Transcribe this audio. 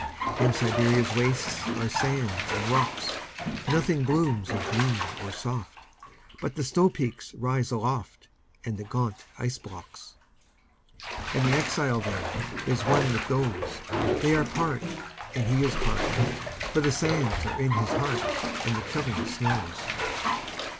In Siberia's wastesAre sands and rocks. Nothing blooms of green or soft, But the snowpeaks rise aloftAnd the gaunt ice blocks. And the exile thereIs one with those; They are part, and he is part, For the sands are in his heart, And the killing snows.